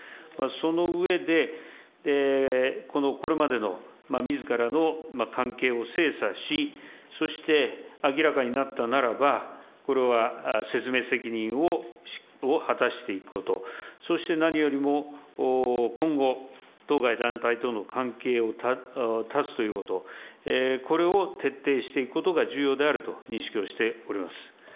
その上で、これまでのみずからの関係を精査し、そして明らかになったならば、これは説明責任を果たしていくこと、そして何よりも、今後、当該団体との関係を断つということ、これを徹底していくことが重要であると認識をしております。